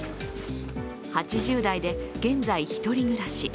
８０代で現在、一人暮らし。